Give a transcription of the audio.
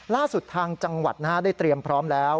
ล่าสุดทางจังหวัดได้เตรียมพร้อมแล้ว